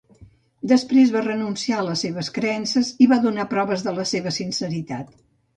Després va renunciar a les seves creences i va donar proves de la seva sinceritat.